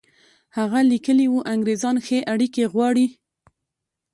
هغه لیکلي وو انګرېزان ښې اړیکې غواړي.